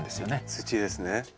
土ですね。